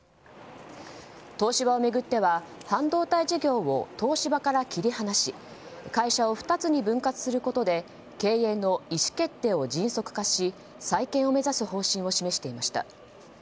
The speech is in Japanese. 東芝を巡っては、半導体事業を東芝から切り離し会社を２つに分割することで経営の意思決定を迅速化し再建を目指す方針を示していました。